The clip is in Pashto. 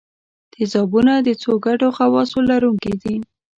تیزابونه د څو ګډو خواصو لرونکي دي.